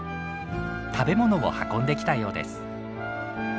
食べ物を運んできたようです。